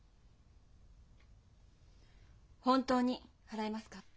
本当に払えますか？